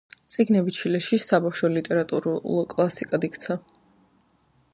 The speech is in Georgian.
წიგნები ჩილეში საბავშვო ლიტერატური კლასიკად იქცა.